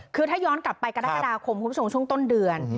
คือถ้าย้อนกลับไปกรกฎาคมคุณผู้ชมช่วงต้นเดือน